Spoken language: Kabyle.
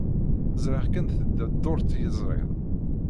Ẓriɣ kan tedda dduṛt yezrin.